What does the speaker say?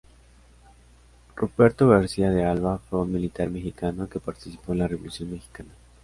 Ruperto García de Alba fue un militar mexicano que participó en la Revolución mexicana.